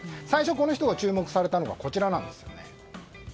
最初、この人が注目されたのはこちらなんですね。